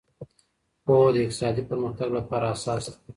پوهه د اقتصادي پرمختګ لپاره اساس دی.